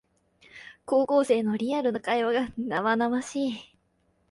高校生のリアルな会話が生々しい